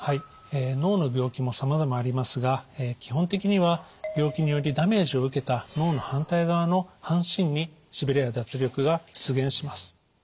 脳の病気もさまざまありますが基本的には病気によりダメージを受けた脳の反対側の半身にしびれや脱力が出現します。